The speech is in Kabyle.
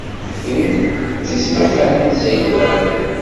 Ti d tismaqqalin n Saɛid Waɛli.